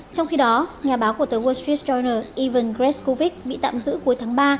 trong khi đó nhà báo của tờ wall street journal ivan grishkovic bị tạm giữ cuối tháng ba